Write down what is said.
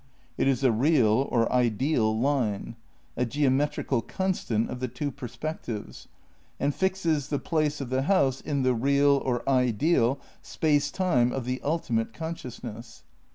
It is a real (or ideal) line, a geo metrical constant of the two perspectives, and fixes the place of the house in the real (or ideal) space time of the ultimate consciousness.